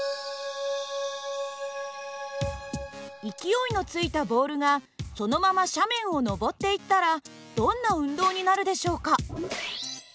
勢いのついたボールがそのまま斜面を上っていったらどんな運動になるでしょうか。